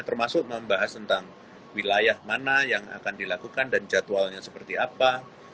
termasuk membahas tentang wilayah mana yang akan dilakukan dan jadwalnya seperti apa